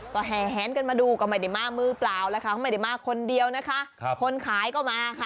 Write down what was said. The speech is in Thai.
ก็แหนกันมาดูก็ไม่ได้มามือเปล่าแล้วค่ะไม่ได้มาคนเดียวนะคะครับคนขายก็มาค่ะ